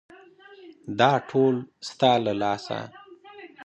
_دا ټول ستا له لاسه.